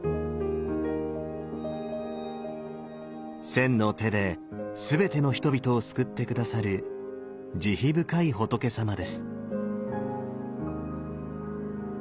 千の手で全ての人々を救って下さる慈悲深い仏さまです。